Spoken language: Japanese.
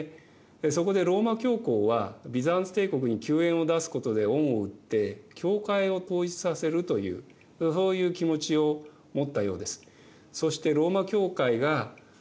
そこでローマ教皇はビザンツ帝国に救援を出すことで恩を売って教会を統一させるというそういう気持ちを持ったようです。